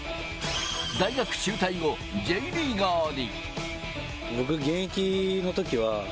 大学中退後、Ｊリーガーに。